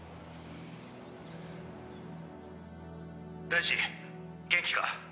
「大二元気か？」